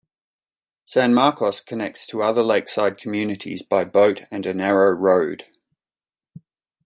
San Marcos connects to other lakeside communities by boat and a narrow road.